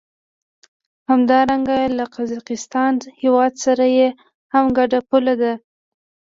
همدارنګه له قزاقستان هېواد سره یې هم ګډه پوله ده.